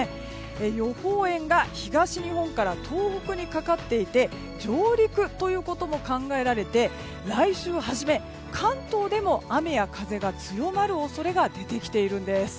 予報円が東日本から東北にかかっていて上陸ということも考えられて来週の初め、関東でも雨や風が強まる恐れが出てきているんです。